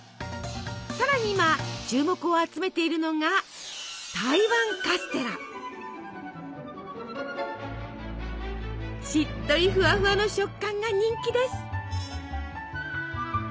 更に今注目を集めているのがしっとりフワフワの食感が人気です。